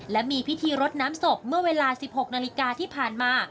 และมีพิธีรดน้ำศพเมื่อเวลา๑๖นาฬิกาที่ผ่านมา